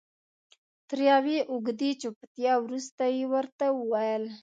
تر یوې اوږدې چوپتیا وروسته یې ورته وویل.